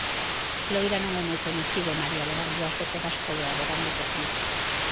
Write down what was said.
Loira non é moi coñecido, malia levar dúas décadas colaborando co club.